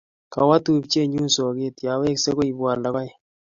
Kawo tupchennyu soget, yeweksei koipwon logoek.